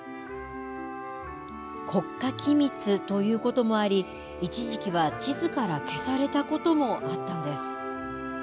国家機密ということもあり、一時期は地図から消されたこともあったんです。